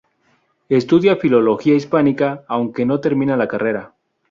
Estudia Filología Hispánica aunque no termina la carrera.